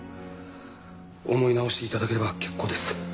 思い直して頂ければ結構です。